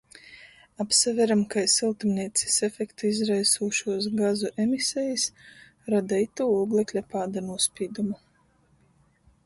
Apsaveram, kai syltumneicys efektu izraisūšūs gazu emisejis roda itū ūglekļa pāda nūspīdumu.